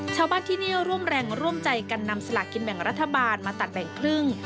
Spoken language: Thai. ชาวบ้านที่นี่ร่วมแรงร่วมใจกันนำสลากินแบ่งรัฐบาลมาตัดแบ่งครึ่ง